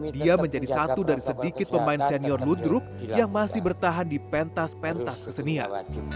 dia menjadi satu dari sedikit pemain senior ludruk yang masih bertahan di pentas pentas kesenian